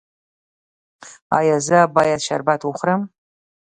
ایا زه باید شربت وخورم؟